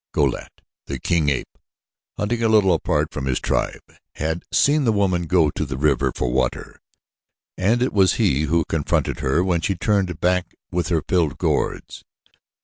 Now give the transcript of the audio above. Go lat, the king ape, hunting a little apart from his tribe, had seen the woman go to the river for water, and it was he who confronted her when she turned back with her filled gourds.